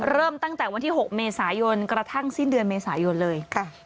เริ่มตั้งแต่วันที่๖เมษายนกระทั่งสิ้นเดือนเมษายนเลย